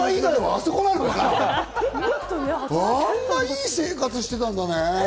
あんなにいい生活していたんだね。